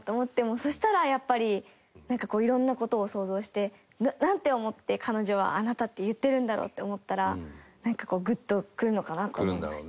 そしたらやっぱりいろんな事を想像してなんて思って彼女は「アナタ」って言ってるんだろうって思ったらグッとくるのかなと思いました。